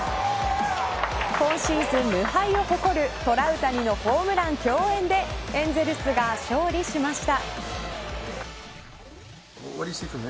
今シーズン、無敗を誇るトラウタニのホームラン競演でエンゼルスが勝利しました。